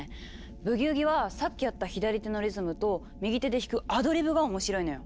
ブギウギはさっきやった左手のリズムと右手で弾く「アドリブ」が面白いのよ。